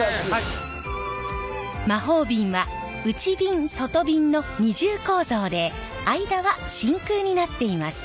魔法瓶は内びん外びんの二重構造で間は真空になっています。